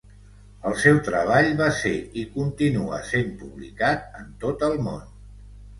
El seu treball va ser i continua sent publicat en tot el món.